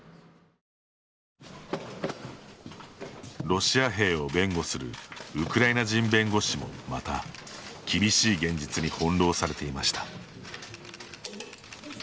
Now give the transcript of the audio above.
ロシア兵を弁護するウクライナ人弁護士もまた厳しい現実に翻弄されていました。